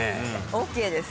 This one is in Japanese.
ＯＫです。